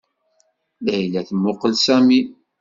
Layla temmuqqel Sami.